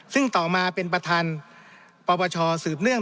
ซึ่งต่อมาเป็นประธานปปชสืบเนื่อง